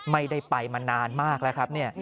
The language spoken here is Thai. ไม่ได้ไปมานานมากแล้วครับเนี่ย